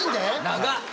長っ！